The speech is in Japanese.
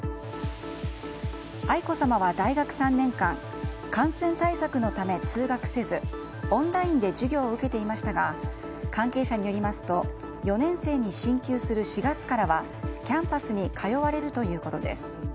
愛子さまは大学３年間感染対策のため、通学せずオンラインで授業を受けていましたが関係者によりますと４年生に進級する４月からはキャンパスに通われるということです。